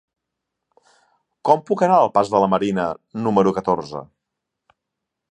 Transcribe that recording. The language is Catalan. Com puc anar al pas de la Marina número catorze?